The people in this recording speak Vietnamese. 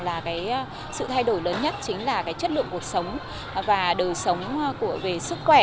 là sự thay đổi lớn nhất chính là chất lượng cuộc sống và đời sống về sức khỏe